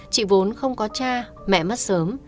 chị vốn không có cha mẹ mất sớm